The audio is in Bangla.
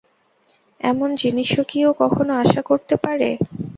এমন জিনিসও কি ও কখনো আশা করতে পারে?